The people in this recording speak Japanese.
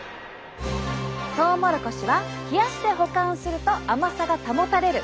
トウモロコシは冷やして保管すると甘さが保たれる。